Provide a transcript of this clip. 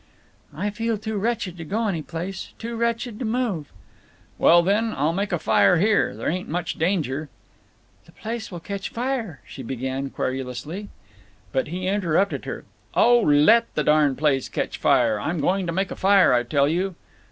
"I feel too wretched to go any place. Too wretched to move." "Well, then, I'll make a fire here. There ain't much danger." "The place will catch fire," she began, querulously. But he interrupted her. "Oh, let the darn place catch fire! I'm going to make a fire, I tell you!"